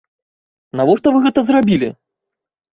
Навошта вы гэта зрабілі?!